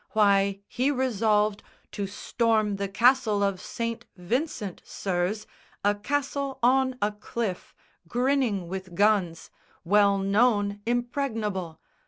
Why, he resolved To storm the Castle of St. Vincent, sirs, A castle on a cliff, grinning with guns, Well known impregnable!